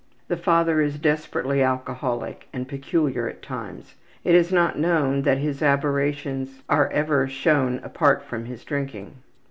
The father is desperately alcoholic and peculiar at times. It is not known that his aberrations are ever shown apart from his drinking.